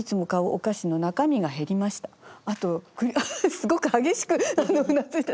すごく激しくうなずいてる。